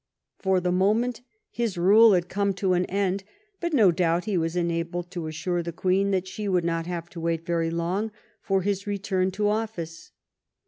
For the moment his rule had come to an end, but no doubt he was enabled to assure the Queen that she would not have to wait very long for 81T THE REIGN OF QUEEN ANNE his return to office.